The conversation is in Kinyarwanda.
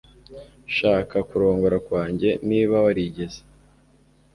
Shaka kurongora kwanjye niba warigeze